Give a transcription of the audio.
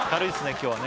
今日はね